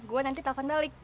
gue nanti telepon balik